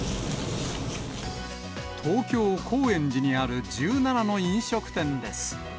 東京・高円寺にある１７の飲食店です。